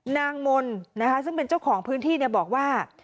นางมนต์นะคะซึ่งเป็นเจ้าของพื้นที่บอกว่า